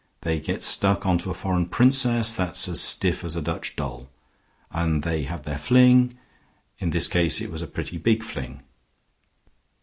They get stuck on to a foreign princess that's as stiff as a Dutch doll, and they have their fling. In this case it was a pretty big fling."